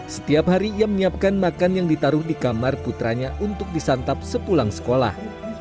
setiap hari ia menyiapkan makan yang ditaruh di kamar putranya untuk disantap sepulang sekolah